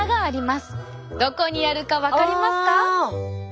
どこにあるか分かりますか？